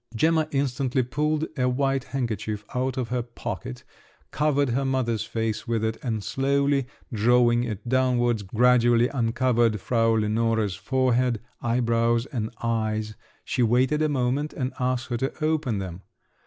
Gemma instantly pulled a white handkerchief out of her pocket, covered her mother's face with it, and slowly drawing it downwards, gradually uncovered Frau Lenore's forehead, eyebrows, and eyes; she waited a moment and asked her to open them.